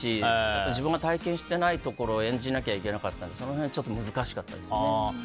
あと、自分が体験してないところ演じないといけなかったのでその辺はちょっと難しかったですね。